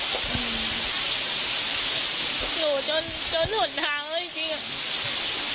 หนูจนจนหนทางแล้วจริงอ่ะ